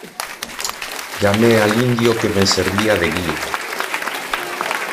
llamé al indio que me servía de guía.